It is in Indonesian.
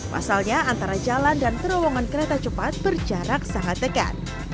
pasalnya antara jalan dan terowongan kereta cepat berjarak sangat dekat